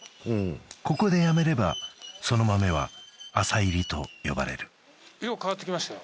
ここでやめればその豆は浅煎りと呼ばれる色変わってきましたよ